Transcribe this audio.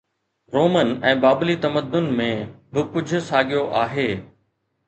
Roman ۽ بابلي تمدن ۾ به ڪجهه ساڳيو آهي